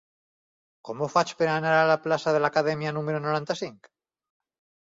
Com ho faig per anar a la plaça de l'Acadèmia número noranta-cinc?